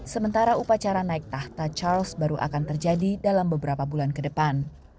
sementara upacara naik tahta charles baru akan terjadi dalam beberapa bulan ke depan